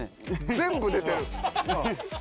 全部出てる。